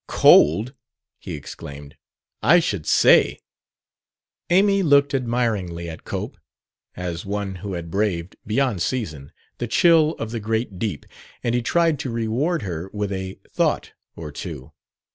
"Cold?" he exclaimed; "I should say!" Amy looked admiringly at Cope, as one who had braved, beyond season, the chill of the great deep, and he tried to reward her with a "thought" or two.